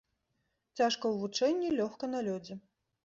Цяжка ў вучэнні, лёгка на лёдзе.